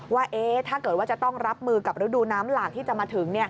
ว่าถ้าเกิดว่าจะต้องรับมือกับฤดูน้ำหลากที่จะมาถึง